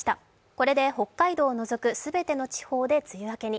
これで北海道を除くすべての地方で梅雨明けに。